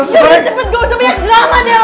cepet gue gak usah biar drama nih